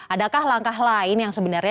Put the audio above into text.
adakah langkah lain yang sebenarnya